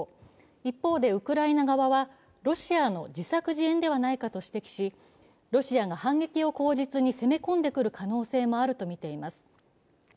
一方でウクライナ側は、ロシアの自作自演ではないかと指摘し、ロシアが反撃を口実に攻め込んでくる可能性もあるとみています。